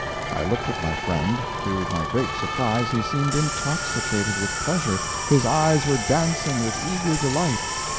I looked at my friend to my great surprise he seemed intoxicated with pleasure, his eyes were dancing with eager delight.